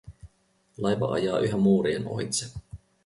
Laiva ajaa yhä muurien ohitse.